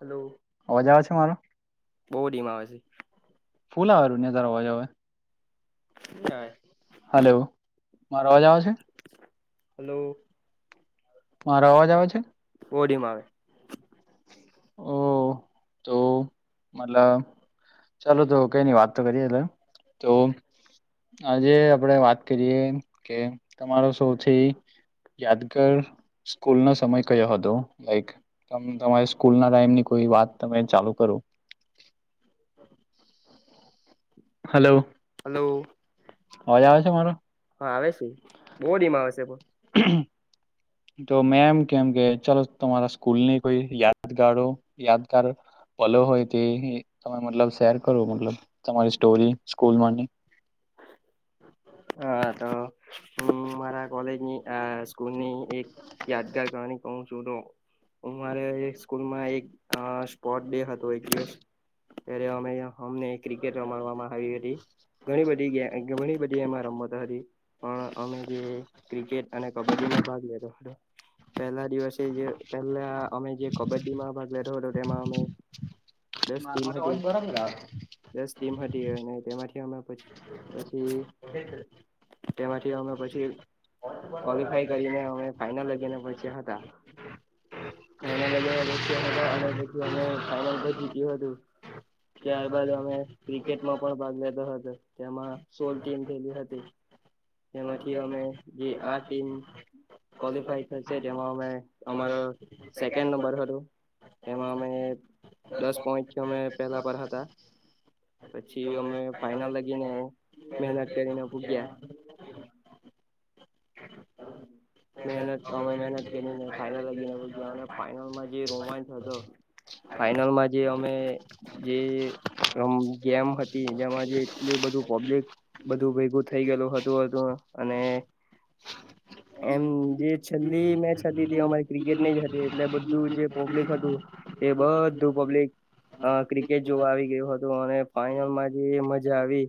Hello પુ દીમા ફૂલાવારું તારવાજવે છે હલો મારો અવાજ આવે છે હલો મારો અવાજ આવે છે પોડીમાં આવે અહ તો મતલબ ચાલો તો કઈ નહી વાત તો કરીએ [unintelligible] તો આજે આપડે વાત કરીએ કે તમારો સૌથી યાદગાર સ્કૂલ નો સમય કયો હતો? લાઈક તમને તમારી સ્કૂલ ના ટાઈમની કોઈ વાત તમે ચાલુ કરો. હલો. હલો. અવાજ આવે છે મારો? હા આવે છે. બહું ડીમ આવે સે પણ. તો મેં એમ કેમ કે ચાલો તમારા સ્કૂલ ની કોઈ યાદગારો યાદગાર પલો હોય તે તમે મતલબ શેર કરો, મતલબ તમારી સ્ટોરી સ્કૂલવાની. [inaudible] હા તો હું મારા કોલેજની અહ સ્કૂલની એક યાદગાર કહાની કહું છું તો હું મારે એ સ્કૂલમાં એક અહ સ્પોટ ડે હતો એક દિવસ ત્યારે અમે હા અમને ક્રિકેટ રમાવામાં આવી હતી. ઘણી ગે ઘણી બધ ધી એમાં રમતો હતી, પણ અમે જે ક્રિકેટ અને કબડ્ડીમાં ભાગ લીધો હતો પહેલા દિવસે જે પહેલા અમે જે કબડ્ડી માં ભાગ લીધો હતો તેમાં અમે દસ મારા ટીમ મા તો હતી અવાજ બરાબર આવે. દસ ટીમ હતી અને તેમાંથી અમે પછ પછી તેમાંથી અમે પછી ક્વોલિફાઈ કરીને અમે ફાઈનલ લગીને પહોચ્યાં હતા. એના લગન [inaudible] હતા અને પછી અમે ફાઈનલ પર જીત્યું હતું. ત્યારબાદ અમે ક્રિકેટમાં પણ ભાગ લીધો હતો. તેમાં સોલ [unintelligible] હતી. તેમાંથી અમે જે આ ટીમ ક્વોલિફાઈ થશે તેમાં અમે અમારો સેકન્ડ નંબર હતું. [inaudible] દસ પોઈન્ટથી અમે પેલા પર હતા. પછી અમે ફાઈનલ લગી ને મહેનત કરીને પુગ્યા. મહેનત અમે મહેનત કરીને ફાઈનલ [unintelligible] ફાઈનલમાં જે રોમાંચ હતો, ફાઈનલમાં જે અમે જે રોમ ગેમ હતી જેમાં જે એટલું બધું પબ્લિક બધું ભેગું થઈ ગયેલું હતું-હતું અને એમ જે છેલ્લી મેચ હતી તે અમારી ક્રિકેટ ની જ હતી, એટલે બધું જે પોબ્લિક હતું એ બધું પબ્લિક અહ ક્રિકેટ જોવા આવી ગયુ હતું અને ફાઈનલમાં જે મજા આવી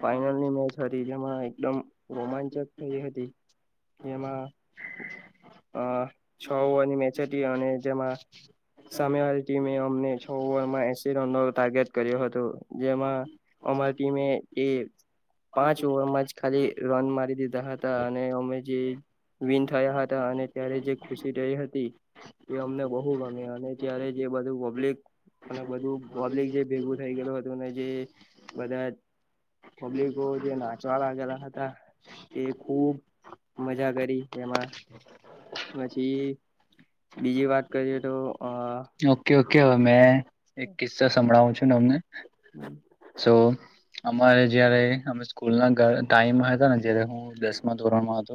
ફાઈનલ ની મેચ હતી, જેમાં એકદમ રોમાંચક થઈ હતી. જેમાં અહ છ ઓવરની મેચ હતી અને જેમાં સામેવાળી ટીમે અમને છ ઓવરમાં એસી રનનો ટાર્ગેટ કર્યો હતો, જેમાં અમાર ટીમએ એ પાંચ ઓવર માં જ ખાલી રન મારી દીધા હતા અને અમે જે વિન થયા હતા અને ત્યારે જે ખુશી થઈ હતી એ અમને બહુ ગમી અને જ્યારે જે બધું પબ્લિક અને બધું પબ્લિક જે ભેગું થઈ ગયેલું હતું જે બધા પબ્લિક કો જે નાચવા લાગેલા હતા, એ ખુબ મજા કરી એમાં. પછી બીજી વાત કરીએ તો અ ઓકે-ઓક કે હવે મેં એક કિસ્સો સંભળાવું છું તમને, સો અમારે જયારે અ સ્કૂલ ના ટાઈમ હતાને જયારે હું દસમા ધોરણ હતો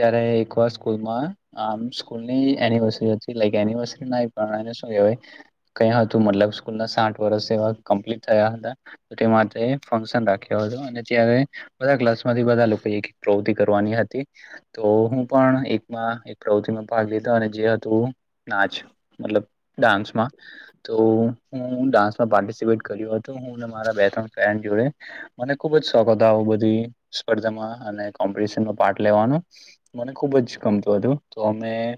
ત્યારે એક વાર સ્કૂલમાં આમ સ્કૂલ ની એનિવર્સરી હતી લક એનિવર્સરી ના પણ શ ક હતું મતલબ સ્કૂલ ના સાઠ વર્ષ એવા કમ્પ્લીટ થયા હતા તે માટે ફક્શન રાખ્યો હતો અને ત બધા ક્લાસ માંથી બધા લોકો એક પ્રવૃતિ કરવા પણ એક એક પ્રવૃતિ ભાગ લીધો અને જેું નાચ મતલબ ડાન્સ મા હું પાર્ટીસીપેટ કર્યું હતું બે ત્રણ ફ્રેન્ડ જોડે મને ખુબ જ શોખ હતો આવ બધી સ્પર્ધામાં અને કોમ્પ લેવા મને ખુબ જ ગમતું હતું અમે.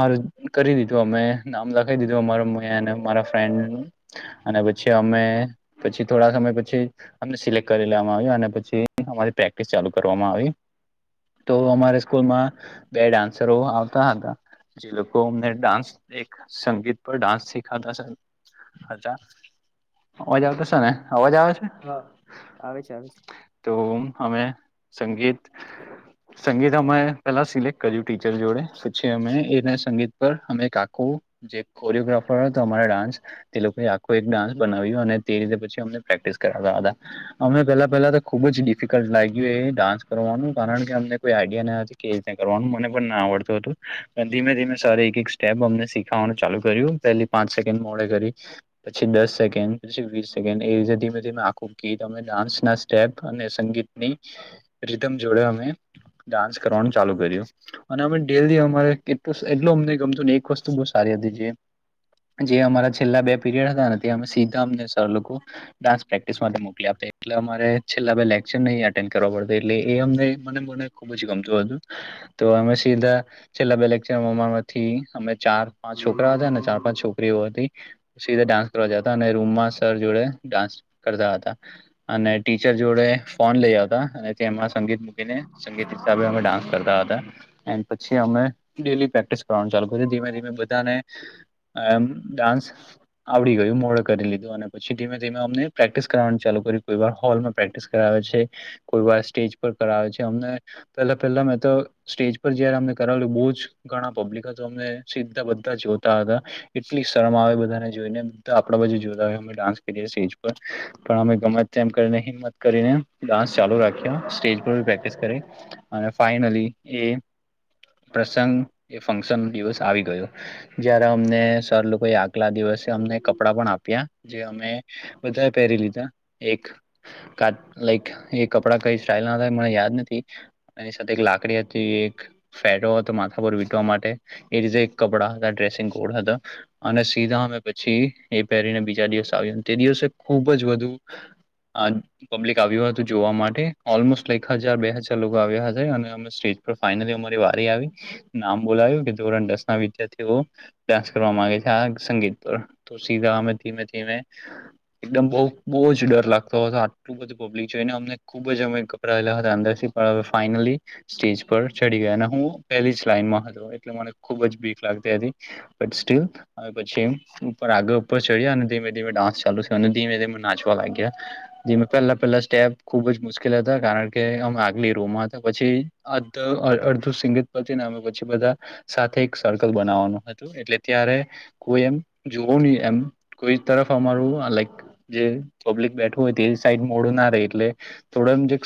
અરું કરી દીધું અમે નામ લખી દીધું અમાર મેરા ફ્રેન્ડ અને પ અમે પછી થોડા સમય પછી અમને સિલેક્ટ કરી લેવામાં આવ્યા અને પછી અમારી પ્રેક્ટિસ તો અમા સ્કૂલમાં બે ડાસરો આવતા હતા જે લોકો અમને ડાન્સ એક સંગીત પર ડાન્સ શીખાતા છે. હજા અવાજ આવતો છે ને અવાજ આવે છે હા આવે છે આવે છે તો અમે સંગીત સંગીત અમે પેલા સિલેક્ટ કર્યું ટીચર જોડે પછી અમે એને સંગીત પર અમે એક આખું જે કોરિયોગ્રાફર હતો અમારા ડાન્સ તે લોકો આખો એક ડાન્સ બનાવ્યું અને તે રીતે પછી અમને પ્રેક્ટિસ કરાવતા હતા અમે પેલા પેલા તો ખુબ જ ડિફિકલ્ટ લાગ્યું ડ કરવાનું કારણ કે અમને કોઈ આઈડિયા ના કે રી કરવાનું મને પણ ના આવડતું હતું પણ ધીમે એક એક સ્ટેપ અમને સીખાવાનું ચાલુ કર્યું પેલી પાંચ સેકન્ડ મોડે કરી પછી દસ પછી વીસ સેન્ડ એ રી ધીમે ધીમે આખુંી ડાન્સ ના સ્ટેપ અને સંગીતની રીમ જોડે અમે ડાન્સ કરવાનું ચાલુ કર્યું અને અમે ડેલી અમારે તો એટલ અમને ગમતું ને એક વસ્તુ બહ સારી હતી જે જે અમારા છેલ્લા બે પીરિયડ હતા નથી સીધા અ ડાન્સ પ્રેક્ટિસ માટે મોકલી આપ એટલે અ છેલ્લા લેચર ન કરવા પડ એટલે એ અમને મને મને ખુબ જ ગમતું હતું તો અમે સીધા છેલ્લા બે લકમાંથી અમે ચાર પાંચ છોકરા હતા ને ચાર પાંચ છોકરીઓ હતી સીધે ડાન્સ કરવા જતા અને રૂમમાં સર જોડે ડાન્સ કરતા હતા અને ટીચર જોડે ફોન લેયા હતા અને એમાં સંગીત મૂકીને સંગીત હિસાબે અમે ડાન્સ કરતા હતા એ પછી અમે ડેલી પ્રેક્ટિસ કરવાનું ચાલુ કર્યું ધીમે ધીમે બધાનેએમ ડાન્સ આવડી ગયું મોડે કરી લીધું અને પછી ધીમે ધીમે અમને પ્રેક્ટિસ કરવાનું ચાલુ કરી કોઈ વાર હોલમાં પ્રેક્ટિસ કરાવે છે કોઈ વાર સ્ટેજ પર કરે છે અમને પેલા પેલા મેં તો સ્ટેજ પર જયારે અમને કરાવેલું બહુ જ ઘણા પબ્લિક હતા તો અમને સીધા બધા જોતા હતા એટલી શરમ આવે બધા જોઇને આપડા બાજુ જોતા હોય અમે ડાન્સ કરીએ સ્ટેજ પર પણ અમે ગમે કરીને હિંમત કરીને ડાન્સ ચાલુ રાખ્યા સ્ટેજ પર પ્રેક્ટિસ કરી અને ફાઈનલી એ પ્રસંગ એ ફંક્શન દિવસ આવી ગયો જય્યારે અમને સર લોકો એ આગલા દિવસ અમને કપડાં પણ આપ્યા જે અમે બધા પહેરી લીધા એક ક લઈક એકપ કડા કઈ સ્ટાઇલ ના થ મને યાદ નથી એની સાથે લાકડી હતી એક ફેટો હતો માથા પર માટે એ રીતે કપડા હતા ડ્રેસિંગ કોડ હતા અને સીધા અ પછી એ પહેરીને બીજા દિવસ આવ્યો તે દિવસે ખુબ જ વધુ આ પબ્લિક આવ્યું હતું જોવા માટે ઓલમોસ્ટ એક હજાર બે હજાર લોકો આવ્યા હતા અને અમે સ્ટેજ ફાઈનલી અમારી વારી આવી નામ બોલાવ્યું કે ધોરણ દસ ના વિદ્યાર્થીઓ ડાન્સ કરવા માંગ હા સંગીત તો સીધા અમે ધીમે ધીમે એકદમ બહ બહુ જ ડર લાગતો હતો આટલું બધું પબ્લિક જોઈને અમને ખુબ જ અમે ગપરાયલા હતા અંદાથી પણ હ ફાઈનલી સ્ટેજ પર ચડી ગયા હું પહેલી જ લાઈનમાં હતો એટલે મને ખુબ જ બીક લાગતી હતી બ સ્ટીલ હવે પછી ઉપર આગળ ઉપર ચડ્યા અને ધીમે ધીમે ડાસ ચાલુ થયો અને ધીમે ધીમે નાચ વા લાગયા જેમા પહેલા પહેલા સ્ટેપ ખુબ જ મુશ્કેલ હતા કારણ કે અમે આગલી રોમાં હતા પછી અધ અડધુ સિંગીત પરથી અમે પછી બધા સાથે એક સર્કલ બનાવવાનું હતું એટલે ત્યારે કોઈ એમ જોઓ ની એમ કોઈ તરફ અમારું આ લાઈક જે પબ્લિક બેઠુ હોય તે એ સાઈડ મોડું ના રેય એટલે થોડા જે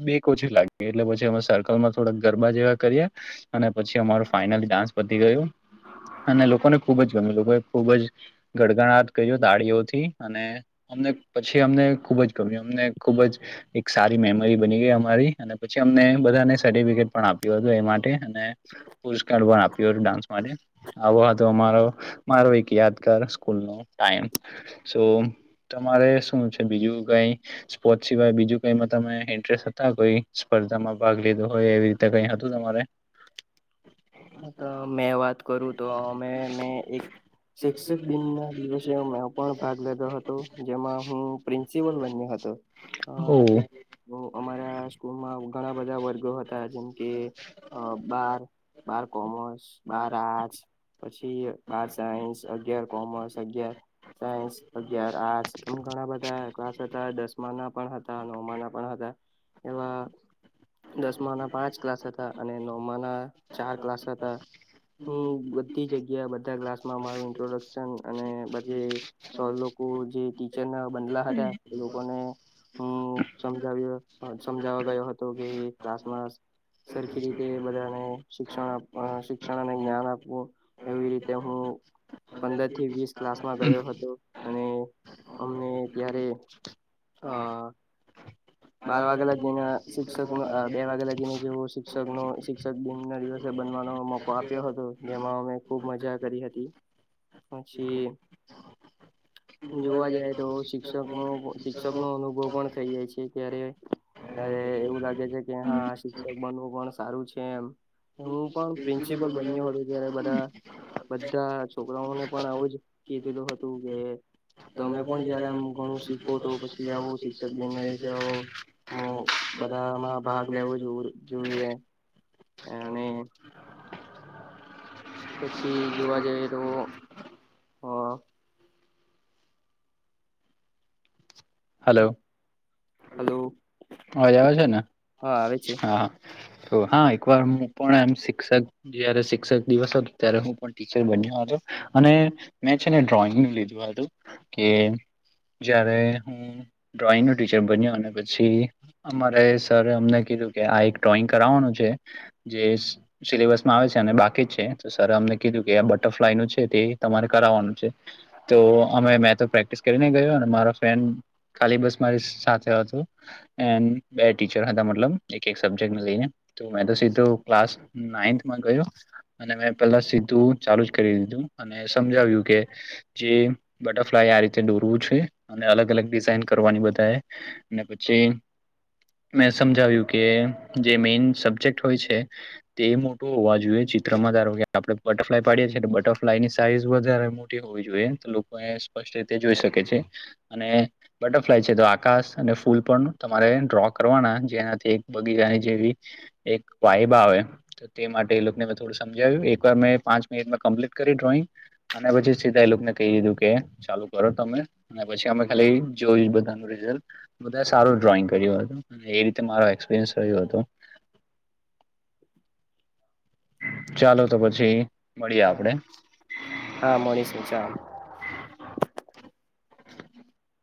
[unintelligible] બીક ઓછી લાગી એટલે પછી અમે સર કલમા થોડા ગરબા જેવા કર્યા અને પછી અમારો ફાઈનલ ડાન્સ પતી ગયું અને લોકોને ખુબ જ ગમ્યું લોકો ખુબ જ ગડગડાટ કર્યો તાળીઓથી અને અમને પછી અમને ખુબ જ ગમ્યું અમને ખુબ જ એક સારી મેમરી બની ગઈ અમારી અને પછી અમને બધાને સર્ટિફિકેટ પણ આપ્યું હતું. તે માટે અને પુષ્કાળ પણ આપ્યો હતો ડાન્સ માટે આવો હતો અમારો મારો એ યાદગાર સ્કૂલનો ટાઈમ સો તમારે શું છે, બીજું કઈ સ્પોર્ટ સિવાય બીજું કઈમાં તમે ઇન્ટરેસ્ટ હતા કોઈ સ્પર્ધામાં ભાગ લીધો હોય એવી રીતે કઈ હતું તમારે હા તો મેં વાત કરું તો અમે મે એક શિક્ષક દિનના દિવસે મે પણ ભાગ લીધો હતો, જેમાં હું પ્રિન્સિપલ બન્યો હતો. અ ઓ અમારા સ્કૂલમાં ઘણા બધા વર્ગો હતા જેમ કે અ બાર બાર કોમર્સ, બાર આર્ટસ, પછી બાર સાયન્સ અગિયાર કોમર્સ, અગિયાર સાયન્સ, અગિયાર આર્ટસ, એમ ઘણા બધા ક્લાસ હતા દસમા ના પણ હતા નવમાં ના પણ હતા એવા દસમા ના પાંચ ક્લાસ હતા અને નવમા ના ચાર ક્લાસ હતા હું બધી જગ્યા બધા ક્લાસમાં મારું ઈન ટ્રોડકશન અને જે સર લોકો જે ટીચર ના બંનલા હતા એ લોકોને હું સમજાવ્યો સમજાવવા ગયો હતો કે ક્લાસમાં સરખી રીતે બધાને શિક્ષણ શિક્ષણને જ્ઞાન આપવું એવી રીતે હું પંદરથી વીસ ક્લાસમાં ગયો હતો અને અમને ત્યારે અ બાર વાગે લાગીને શિક્ષકનો બે વાગે લાગીને જેવું શિક્ષકનુ શિક્ષક દિનના દિવસે બનવાનો મોકો આપ્યો હતો જેમાં અમે ખુબ મજા કરી હતી પછી. જોવા જાય તો શિક્ષકનો શિક્ષકનો અનુભવ પણ થઈ જાય છે. તયારે અરે એવું લાગે છે, કે હા શિક્ષક બનવું પણ સારું છે, એમ હું પણ પ્રિન્સિપલ બન્યો હતો ત્યારે બધા બધા છોકરાઓને પણ આવું જ કીધેલું હતું કે તમે પણ જયારે આમ ઘણું શીખો તો પછી આવું શિક્ષક બનાવીશ ભાગ લેવો જો [inaudible] જોઈએ અને [inaudible] પછી જોવા જઈએ તો હ હલો. હલો અવાજ આવે છે, ને હા આવે છે હા હા હા એક વાર હું પણ એમ શિક્ષક જયારે શિક્ષક દિવસ હતો ત્યારે હું પણ ટીચર બન્યો હતો. અને મેં છે, ને ડ્રોઈંગ નું લીધું હતું કે જયારે ડ્રોઈંગનું ટીચર બન્યો અને પછી અમારે સર અમને કીધું કે આ એક ડ્રોઈંગ કરાવવાનું છે. જે સિલેબસમાં આવે છે, અને બાકી જ છે, સર અમને કીધું કે આ બટરફ્લાય નું છે, તે એ તમારે કરાવાનું છે, તો અમે મે તો પ્રેક્ટિસ કરીને ગયો અને મારો ફ્રેન્ડ ખાલી બસ મારી સાથે હતો એન બે ટીચર હતા મતલબ એક એક સબ્જેક્ટને લઈને મે તો સીધો ક્લાસ નાઈનથ ગયો અને મેં પેલા સીધું ચાલુ જ કરી અને સમજાવ્યું કે જે બટરફ્લાય આ રીતે દોરવું છે, અને અલગ અલગ [unintelligible] કરવા બધાએ નેપછી મેં સમજાવ્યું કે જે મેન સબ્જેક્ટ હોય છે તે મોટું હોવા જોઈએ ચિત્રમાં ધારો કે આપણે બટરફ્લાય પાડીએ છીએ બટરફ્લાય ની સાઇ વધારે મોટી હો જોઈએ તો લોકો એ સ્પષ્ટ રીતે જોઈ શકે છે અને બટરફ્લાય છે તો આકાશ અને ફૂલ પણ તમારે ડ્રો કરવાના જેનાથી એક બગીચની જેવી એક વાયબ આવે તો તે માટે એ લોકોને મેં થોડું સમજાવ્યું એકવાર મેં પાંચ મિનિટ કમ્પ્લીટ ડ્રોઈંગ અને પછી સીધા એ લોકોને કહી દીધું કે ચાલુ કરો તમે અને પછી અમે ખાલી બધા નુ રીઝલ્ટ બધા સારું ડ્રોઈંગ કર્યું હતું મારો એક્સપિરયન્સ રહ્યો હતો. ચાલો તો પછી મળીએ હ આપડે હા મળીશું ચાલૌ [inaudible]